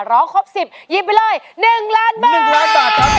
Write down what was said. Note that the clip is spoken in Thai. ร้องครบ๑๐ยิบไปเลย๑ล้านบาท